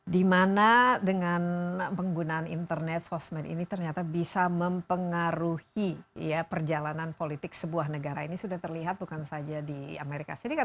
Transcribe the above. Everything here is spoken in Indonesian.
dimana dengan penggunaan internet sosmed ini ternyata bisa mempengaruhi perjalanan politik sebuah negara ini sudah terlihat bukan saja di amerika serikat